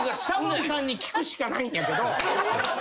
タモリさんに聞くしかないんやけど。